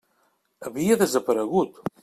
Havia desaparegut.